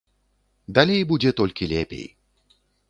Далей будзе толькі лепей.